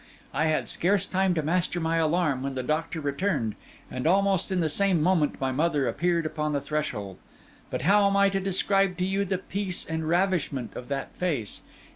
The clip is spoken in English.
I had scarce time to master my alarm when the doctor returned, and almost in the same moment my mother appeared upon the threshold. But how am I to describe to you the peace and ravishment of that face?